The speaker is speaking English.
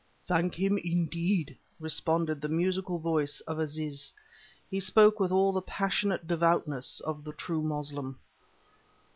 "Thank Him, indeed," responded the musical voice of Aziz. He spoke with all the passionate devoutness of the true Moslem.